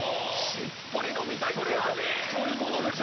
「しっぽり飲みたい」っていうとそういう事でしょ？